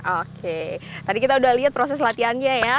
oke tadi kita udah lihat proses latihannya ya